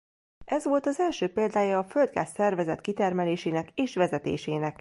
Ez volt az első példája a földgáz szervezett kitermelésének és vezetésének.